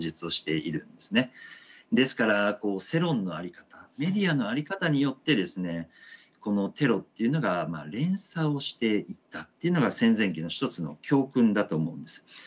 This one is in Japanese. ですから世論の在り方メディアの在り方によってですねこのテロっていうのが連鎖をしていったっていうのが戦前期の一つの教訓だと思うんです。